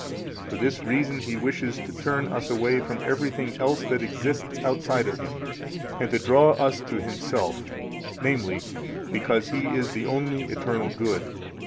For this reason He wishes to turn us away from everything else that exists outside of Him, and to draw us to Himself, namely, because He is the only eternal good.